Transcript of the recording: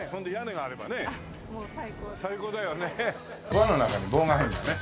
輪の中に棒が入るんだね。